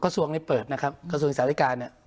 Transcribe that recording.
กระทรวงนี้เปิดนะครับกระทรวงอิสรภิการ